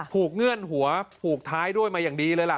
เงื่อนหัวผูกท้ายด้วยมาอย่างดีเลยล่ะ